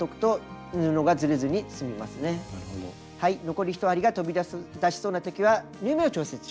残り１針が飛び出しそうなときは縫い目を調節しましょう。